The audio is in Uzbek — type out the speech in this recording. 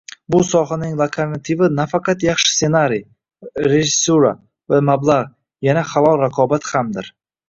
Bu sohaning lokomotivi nafaqat yaxshi ssenariy, rejissura va mablag‘, yana halol raqobat hamdir